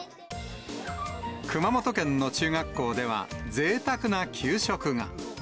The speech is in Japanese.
熊本県の中学校では、ぜいたくな給食が。